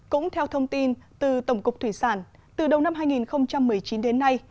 cũng theo thông tin từ tổng cục thủy sản từ đầu năm hai nghìn một mươi chín đến nay